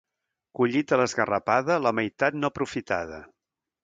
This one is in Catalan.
Collita a l'esgarrapada, la meitat no aprofitada.